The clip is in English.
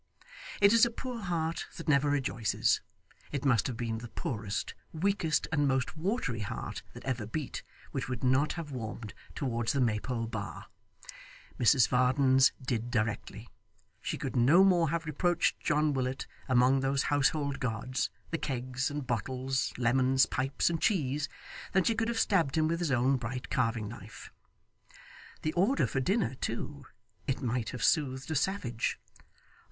It is a poor heart that never rejoices it must have been the poorest, weakest, and most watery heart that ever beat, which would not have warmed towards the Maypole bar. Mrs Varden's did directly. She could no more have reproached John Willet among those household gods, the kegs and bottles, lemons, pipes, and cheese, than she could have stabbed him with his own bright carving knife. The order for dinner too it might have soothed a savage.